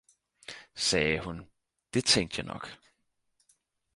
sagde hun, det tænkte jeg nok!